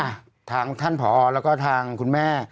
อ่ะทางท่านผอแล้วก็ทางคุณแม่